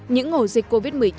những hồ dịch covid một mươi chín